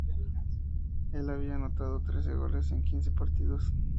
Él había anotado trece goles en quince partidos.